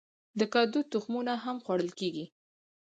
د کدو تخمونه هم خوړل کیږي.